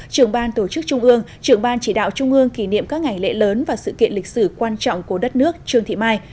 trưởng ban tổ chức trung ương trưởng ban chỉ đạo trung ương kỷ niệm các ngày lễ lớn và sự kiện lịch sử quan trọng của đất nước trương thị mai